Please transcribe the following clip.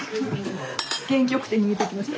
元気よくて逃げていきました。